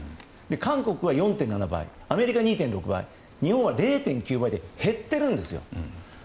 韓国は４．７倍アメリカは２．６倍日本は０．９倍で減っているんですよ。